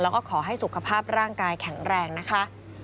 แล้วก็ขอให้สุขภาพร่างกายแข็งแรงนะคะ